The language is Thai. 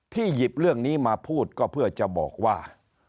หยิบเรื่องนี้มาพูดก็เพื่อจะบอกว่า